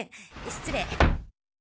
失礼。